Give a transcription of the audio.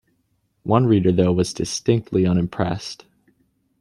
One reader though was distinctly unimpressed.